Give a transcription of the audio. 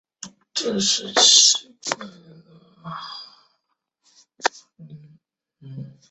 凡在限期时持有有效或可续期的澳门居民身份证居民均是为此计划之受惠对象。